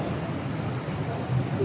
một người đánh đó